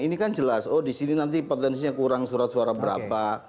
ini kan jelas oh di sini nanti potensinya kurang surat suara berapa